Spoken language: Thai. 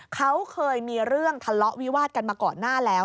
เขาเคยมีเรื่องทะเลาะวิวาดกันมาก่อนหน้าแล้ว